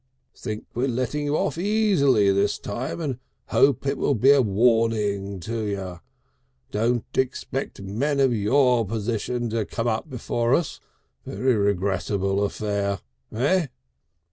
Think we're letting you off very easily this time, and hope it will be a Warning to you. Don't expect Men of your Position to come up before us. Very Regrettable Affair. Eh?"